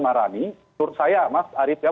marani menurut saya mas arief ya